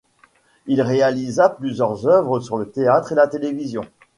Il réalisa plusieurs œuvres pour le théâtre et la télévision.